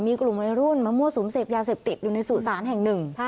มีกรุงบริรุ่นมะโมสูงเสบยาเสบติดอยู่ในสู่ศานแห่งหนึ่ง